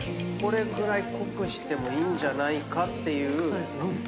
これくらい濃くしてもいいんじゃないかっていう。